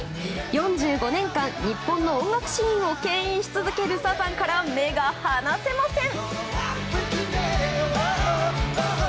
４５年間、日本の音楽シーンを牽引し続けるサザンから目が離せません！